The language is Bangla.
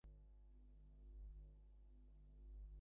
সে চাহনিতে হয়তো একটু ভয় ছিল।